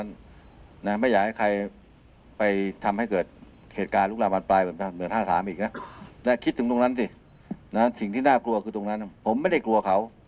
ก็คือออกมาเบาหลั่งจะควรเป็นเรื่องนี้จะพูดว่าอะไรอีกนะ